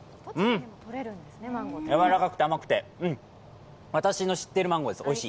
柔らかくて甘くて私の知ってるマンゴーです。